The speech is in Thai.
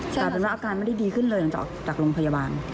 แต่อาการไม่ได้ดีขึ้นเลยจากโรงพยาบาล